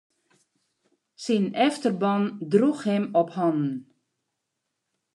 Syn efterban droech him op hannen.